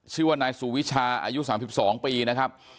ชื่อว่านายสุวิชาอายุ๓๒ปีนะครับ